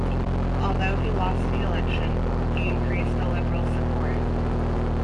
Although he lost the election, he increased the Liberals' support.